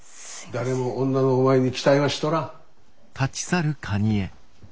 誰も女のお前に期待はしとらん。